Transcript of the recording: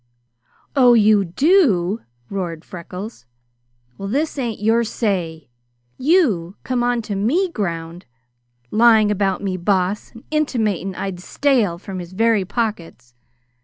"Oh, you do?" roared Freckles. "Well this ain't your say. You come on to me ground, lying about me Boss and intimatin' I'd stale from his very pockets.